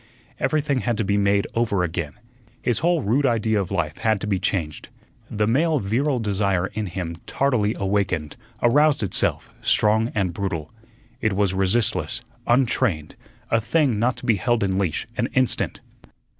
Everything had to be made over again. His whole rude idea of life had to be changed. The male virile desire in him tardily awakened, aroused itself, strong and brutal. It was resistless, untrained, a thing not to be held in leash an instant.